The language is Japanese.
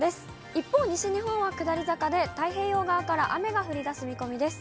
一方、西日本は下り坂で、太平洋側から雨が降りだす見込みです。